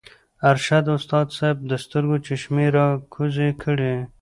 ارشد استاذ صېب د سترګو چشمې راکوزې کړې